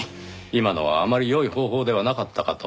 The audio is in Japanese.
今のはあまり良い方法ではなかったかと。